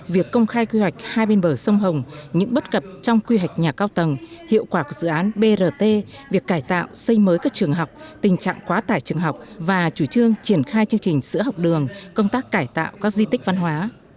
việc công khai quy hoạch hai bên bờ sông hồng những bất cập trong quy hoạch nhà cao tầng hiệu quả của dự án brt việc cải tạo xây mới các trường học tình trạng quá tải trường học và chủ trương triển khai chương trình sữa học đường công tác cải tạo các di tích văn hóa